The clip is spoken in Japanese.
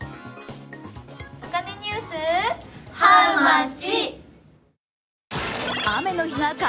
お金ニュース、ハウマッチ！